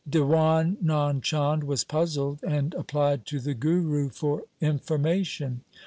Diwan Nand Chand was puzzled and applied to the Guru for information.